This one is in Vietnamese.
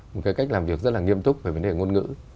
một cái cách làm việc rất là nghiêm túc về vấn đề ngôn ngữ